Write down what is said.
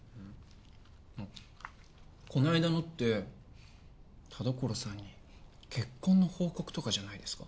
あっこの間のって田所さんに結婚の報告とかじゃないですか？